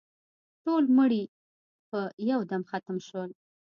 ټول مړي په یو دم ختم شول.